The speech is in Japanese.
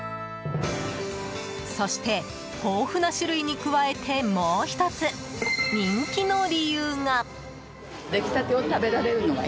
そして豊富な種類に加えてもう１つ、人気の理由が。